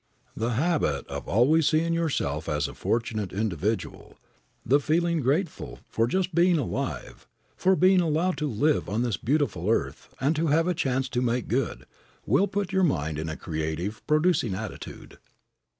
The habit of always seeing yourself as a fortunate individual, the feeling grateful just for being alive, for being allowed to live on this beautiful earth and to have a chance to make good will put your mind in a creative, producing attitude.